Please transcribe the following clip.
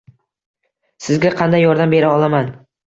Sizga qanday yordam bera olaman?